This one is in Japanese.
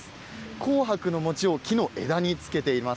紅白のお餅を木の枝に付けています。